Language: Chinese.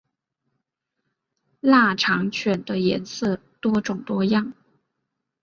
腊肠犬的颜色多种多样。